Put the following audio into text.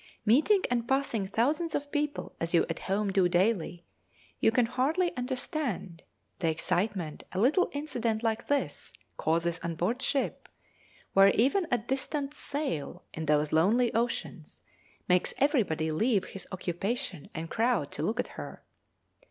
Meeting and passing thousands of people as you at home do daily, you can hardly understand the excitement a little incident like this causes on board ship, where even a distant sail in these lonely oceans makes everybody leave his occupation and crowd to look at her.